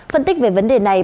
phân tích về vấn đề này